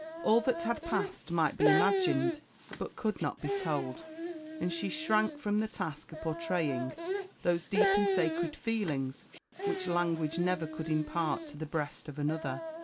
All that had passed might be imagined, but could not be told; and she shrank from the task of portraying those deep and sacred feelings which language never could impart to the breast of another.